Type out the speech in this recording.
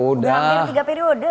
udah ambil tiga periode